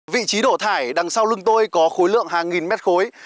vị trí đổ thải đằng sau lưng tôi có khối lượng hàng nghìn mét khối